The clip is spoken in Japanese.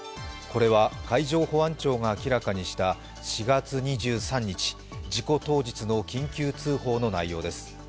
これは海上保安庁が明らかにした４月２３日事故当日の緊急通報の内容です。